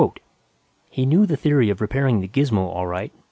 ] _He knew the theory of repairing the gizmo all right.